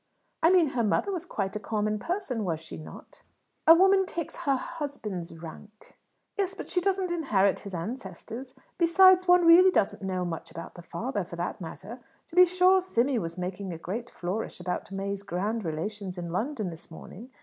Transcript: "I mean her mother was quite a common person, was she not?" "A woman takes her husband's rank." "Yes; but she doesn't inherit his ancestors. Besides, one really doesn't know much about the father, for that matter. To be sure, Simmy was making a great flourish about May's grand relations in London this morning.